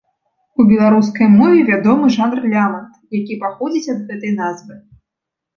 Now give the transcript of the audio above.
У беларускай мове вядомы жанр лямант, які паходзіць ад гэтай назвы.